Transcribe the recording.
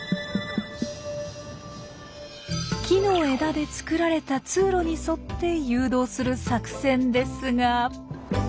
木の枝で作られた通路に沿って誘導する作戦ですが。